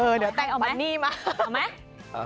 เออเดี๋ยวตั้งเอาแบบนี้มา